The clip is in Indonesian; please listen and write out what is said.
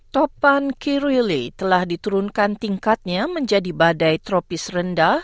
topan kirili telah diturunkan tingkatnya menjadi badai tropis rendah